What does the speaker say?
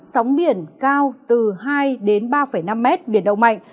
sóng biển cao từ hai ba năm m biển đông mạnh